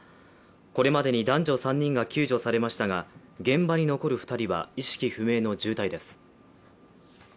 これまでに男女３人が救助されましたが現場に残る２人は意識不明の重体です。